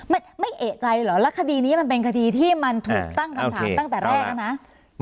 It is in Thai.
ไม่ไม่เอกใจเหรอแล้วคดีนี้มันเป็นคดีที่มันถูกตั้งคำถามตั้งแต่แรกแล้วนะ